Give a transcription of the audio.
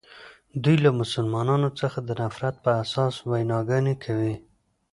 دوی له مسلمانانو څخه د نفرت په اساس ویناګانې کوي.